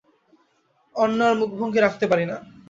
অন্য আর মুখভঙ্গি রাখতে পারি না।